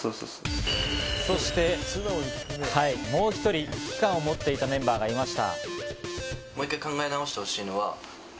そしてもう１人、危機感を持っていたメンバーがいました。